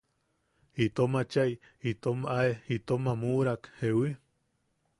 Itom achai itom ae itom am uʼurak ¿jewi?.